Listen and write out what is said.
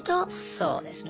そうですね。